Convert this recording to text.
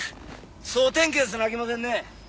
総点検せなあきませんね